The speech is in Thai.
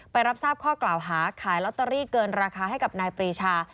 รับทราบข้อกล่าวหาขายลอตเตอรี่เกินราคาให้กับนายปรีชา